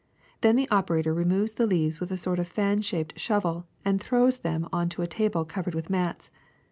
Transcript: Then the operator removes the leaves with a sort of fan shaped shovel and throws them on to a table covered with mats.